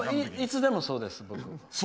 いつでもそうです、僕は。